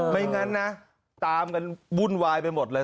ไม่งั้นนะตามกันวุ่นวายไปหมดเลย